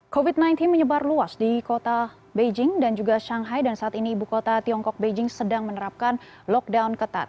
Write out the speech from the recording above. covid sembilan belas menyebar luas di kota beijing dan juga shanghai dan saat ini ibu kota tiongkok beijing sedang menerapkan lockdown ketat